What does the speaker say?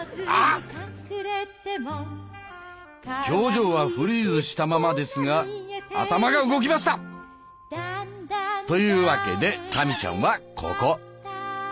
表情はフリーズしたままですが頭が動きました！というわけでたみちゃんはここ。